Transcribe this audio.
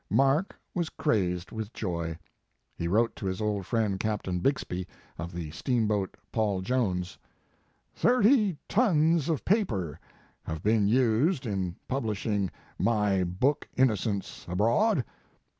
Mark was crazed with joy. He wrote to his old friend, Captain Bixby, of the steamboat Paul Jones: "Thirty tons of paper have been used in publishing my book Innocents Abroad.